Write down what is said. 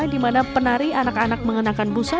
di mana penari anak anak mengenakan tarian kolosal